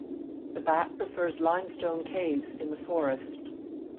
The bat prefers limestone caves in the forest.